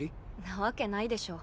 なわけないでしょ。